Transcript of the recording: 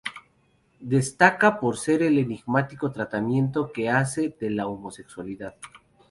Destaca por el enigmático tratamiento que hace de la homosexualidad.